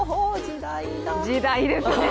時代ですね。